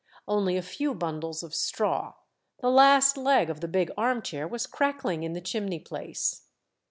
Only a few bundles of straw ; the last leg of the big arm chair was crackling in the chimney place.